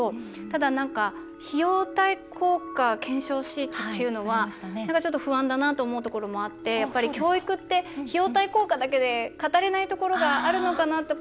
ただ、費用対効果検証シートっていうのは、なんかちょっと不安だなと思うところもあって教育って費用対効果だけで語れないところがあるのかなって。